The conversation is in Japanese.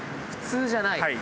普通じゃない？